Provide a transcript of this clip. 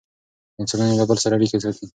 انسانان یو له بل سره اړیکې ساتي.